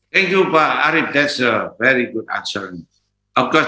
terima kasih pak arief itu jawaban yang sangat baik